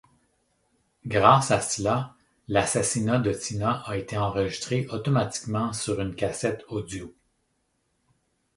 Grâce à cela, l'assassinat de Tina a été enregistré automatiquement sur une cassette audio.